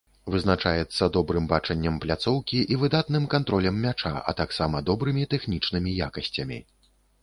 Вызначаецца добрым бачаннем пляцоўкі і выдатным кантролем мяча, а таксама добрымі тэхнічнымі якасцямі.